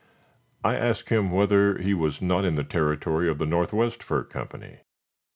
I asked him whether he was not in the territory of the Northwest Fur Company.